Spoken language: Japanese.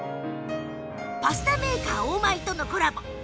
パスタメーカーオーマイとのコラボ